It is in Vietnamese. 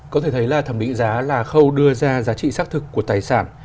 có thể thấy là thẩm định giá là khâu đưa ra giá trị xác thực của tài sản